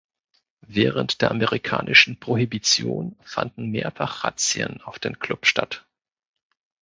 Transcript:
Während der amerikanischen Prohibition fanden mehrfach Razzien auf den Club statt.